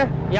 ya pak siap